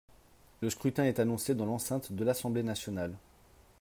Le scrutin est annoncé dans l’enceinte de l’Assemblée nationale.